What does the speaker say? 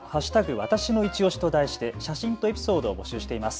わたしのいちオシと題して写真とエピソードを募集しています。